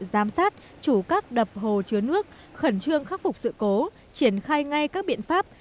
giám sát chủ các đập hồ chứa nước khẩn trương khắc phục sự cố triển khai ngay các biện pháp